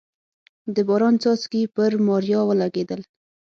د باران څاڅکي پر ماريا ولګېدل.